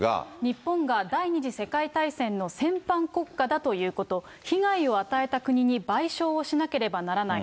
日本が第２次世界大戦の戦犯国家だということ、被害を与えた国に賠償をしなければならない。